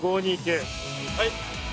・はい。